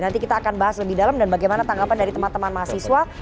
nanti kita akan bahas lebih dalam dan bagaimana tanggapan dari teman teman mahasiswa